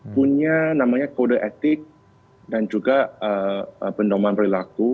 punya namanya kode etik dan juga pendoman perilaku